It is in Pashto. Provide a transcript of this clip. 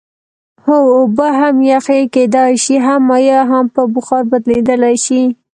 هو اوبه هم یخ کیدای شي هم مایع او هم په بخار بدلیدلی شي